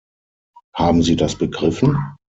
Haben Sie das begriffen?